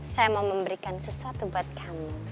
saya mau memberikan sesuatu buat kamu